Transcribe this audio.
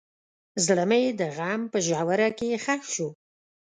زړه مې د غم په ژوره کې ښخ شو.